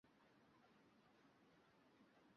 ugire indengemenote z’umwiheriko wewo.